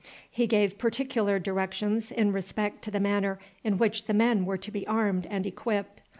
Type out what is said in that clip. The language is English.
He gave particular directions in respect to the manner in which the men were to be armed and equipped.